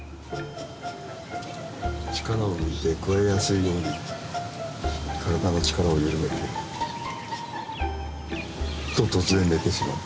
力を抜いてくわえやすいように体の力を緩めてる。と突然寝てしまう。